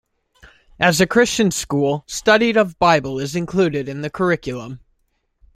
As a Christian school, studied of bible is included in the curriculum.